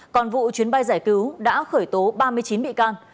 còn vụ chuyến bay giải cứu đã khởi tố ba mươi chín bị can